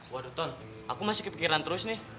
waduh ton aku masih kepikiran terus nih